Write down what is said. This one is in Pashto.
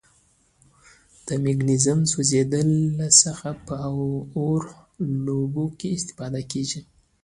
د مګنیزیم سوځیدلو څخه په اور لوبو کې استفاده کیږي.